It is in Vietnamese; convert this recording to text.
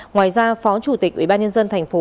ngoài ra phó chủ tịch ubnd tp